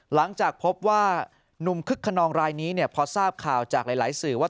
หลังจากพบว่านุ่มคึกขนองรายนี้เนี่ยพอทราบข่าวจากหลายสื่อว่า